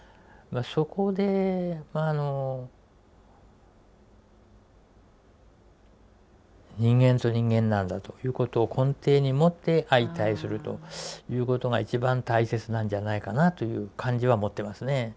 そこでまああの人間と人間なんだということを根底に持って相対するということが一番大切なんじゃないかなという感じは持ってますね。